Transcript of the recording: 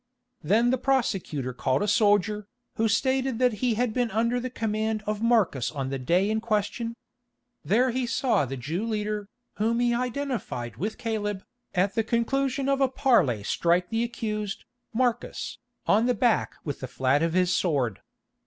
Then the prosecutor called a soldier, who stated that he had been under the command of Marcus on the day in question. There he saw the Jew leader, whom he identified with Caleb, at the conclusion of a parley strike the accused, Marcus, on the back with the flat of his sword.